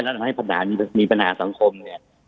แล้วทำให้ปัญหามีปัญหาสังคมเนี่ย